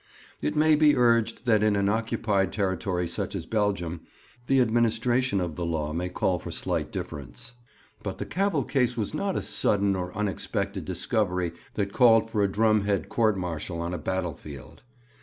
It may be urged that in an occupied territory such as Belgium the administration of the law may call for slight difference; but the Cavell case was not a sudden or unexpected discovery that called for a drumhead court martial on a battle field.